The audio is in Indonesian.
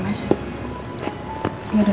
makasih banyak ya mas